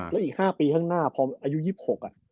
แล้วอีก๕ปีข้างหน้าพออายุ๒๖